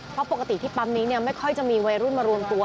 เพราะปกติที่ปั๊มนี้ไม่ค่อยจะมีวัยรุ่นมารวมตัว